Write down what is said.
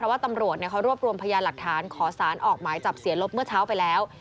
ว่าตำรวจเขารวบรวมพยานหลักฐานขอสารออกหมายจับเสียลบเมื่อเช้าไปแล้ว